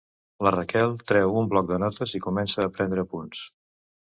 La Raquel treu un bloc de notes i comença a prendre apunts.